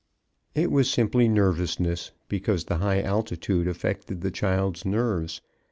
It was simply nervousness, because the high altitude affected the child's nerves.